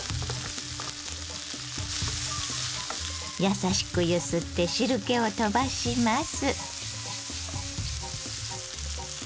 優しく揺すって汁けをとばします。